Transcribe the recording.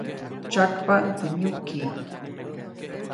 Tsyakpaʼuŋ teʼ myuki.